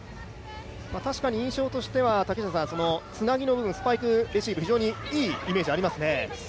印象としては、つなぎの部分、スパイクレシーブ非常にいいイメージありますね。